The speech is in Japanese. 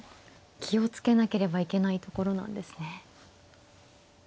気を付けなければいけないところなんですね。